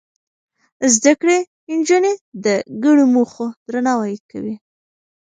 زده کړې نجونې د ګډو موخو درناوی کوي.